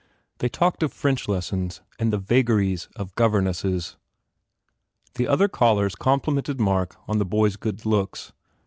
They talked of French lessons and the vagaries of governesses. The other callers complimented Mark on the b oy s good looks.